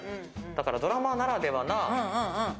だからドラマならではな。